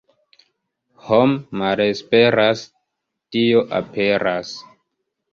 Hom' malesperas, Dio aperas.